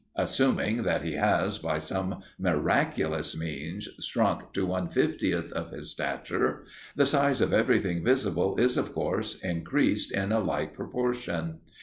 Assuming that he has, by some miraculous means shrunk to one fiftieth of his stature, the size of everything visible is, of course, increased in a like proportion.